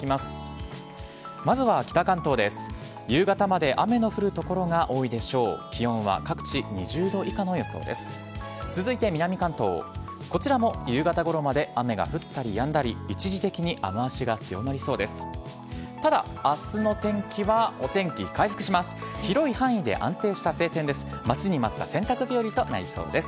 こちらも夕方ごろまで雨が降ったりやんだり、一時的に雨足が強まりそうです。